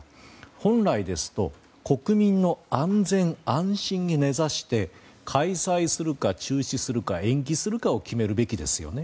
本来ですと国民の安心・安全に根ざして開催するか、中止するか延期するかを決めるべきですよね。